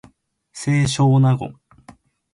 清少納言